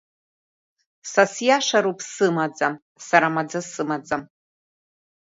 Са сиашароуп сымаӡа, сара маӡа сымаӡам.